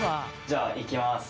じゃあいきます。